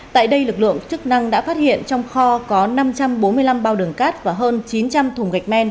tại đây lực lượng chức năng đã phát hiện trong kho có năm trăm bốn mươi năm bao đường cát và hơn chín trăm linh thùng gạch men